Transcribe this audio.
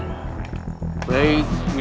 baik kicurali prabu